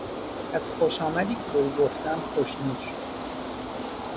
از خوش آمدی که به او گفتند خوشنود شد.